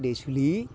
để xử lý